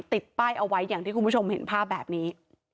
ติดป้ายเอาไว้อย่างที่คุณผู้ชมเห็นภาพแบบนี้